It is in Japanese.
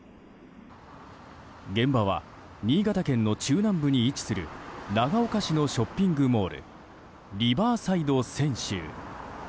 現場は新潟県の中南部に位置する長岡市のショッピングモールリバーサイド千秋。